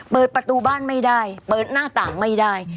เปิดประตูบ้านไม่ได้เปิดหน้าต่างไม่ได้